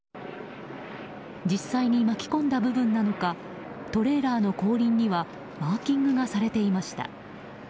実際に巻き込んだ部分なのかトレーラーの後輪にはマーキングがされていました。